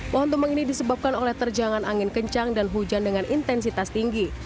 pohon tumbang ini disebabkan oleh terjangan angin kencang dan hujan dengan intensitas tinggi